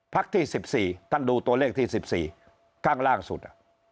ที่๑๔ท่านดูตัวเลขที่๑๔ข้างล่างสุด